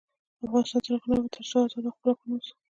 افغانستان تر هغو نه ابادیږي، ترڅو ازاد او خپلواک ونه اوسو.